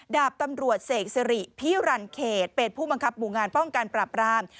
ดาบตำรวจเสกสิริพิรันเขตเป็นผู้บังคับหมู่งานป้องกันปราบราม